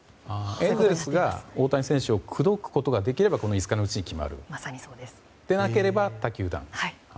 エンゼルスが大谷選手を口説くことができればこの５日のうちに決まるでなければ他球団。